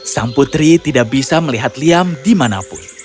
sang putri tidak bisa melihat liam dimanapun